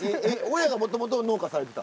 親がもともと農家されてた？